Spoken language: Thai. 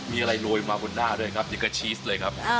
มีอะไรโรยมาบนหน้าด้วยครับนี่ก็ชีสเลยครับ